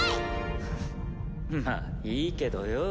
フンまぁいいけどよ。